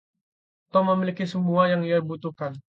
Tom memiliki semua yang ia butuhkan.